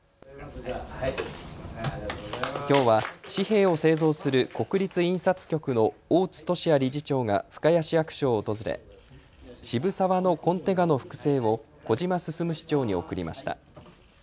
きょうは紙幣を製造する国立印刷局の大津俊哉理事長が深谷市役所を訪れ渋沢のコンテ画の複製を小島進市長に贈りました。